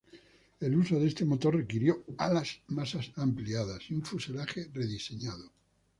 El uso de este motor requirió alas más ampliadas y un fuselaje rediseñado.